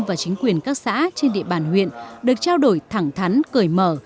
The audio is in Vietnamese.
và chính quyền các xã trên địa bàn huyện được trao đổi thẳng thắn cởi mở